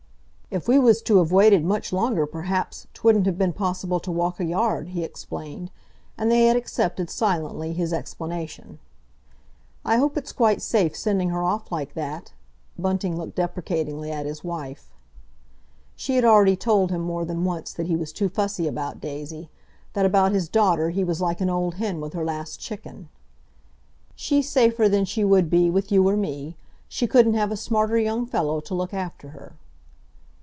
"If we was to have waited much longer, perhaps, 'twouldn't have been possible to walk a yard," he explained, and they had accepted, silently, his explanation. "I hope it's quite safe sending her off like that?" Bunting looked deprecatingly at his wife. She had already told him more than once that he was too fussy about Daisy, that about his daughter he was like an old hen with her last chicken. "She's safer than she would be, with you or me. She couldn't have a smarter young fellow to look after her."